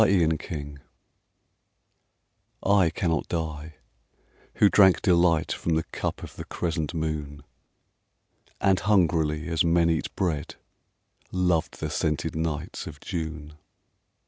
The Wine I cannot die, who drank delight From the cup of the crescent moon, And hungrily as men eat bread, Loved the scented nights of June.